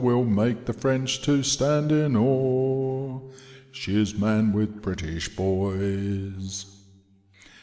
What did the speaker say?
We'll make the French to stand in awe. She's manned with British hoys.